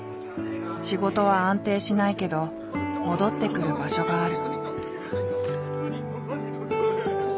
仕事は安定しないけど戻ってくる場所がある。